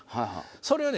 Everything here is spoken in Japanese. それをね